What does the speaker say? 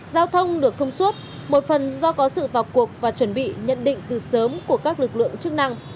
giao thông được thông suốt một phần do có sự vào cuộc và chuẩn bị nhận định từ sớm của các lực lượng chức năng